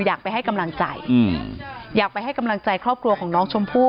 อยากไปให้กำลังใจอยากไปให้กำลังใจครอบครัวของน้องชมพู่